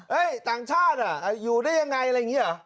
ต่างชาติอยู่ได้ยังไงอะไรอย่างนี้เหรอ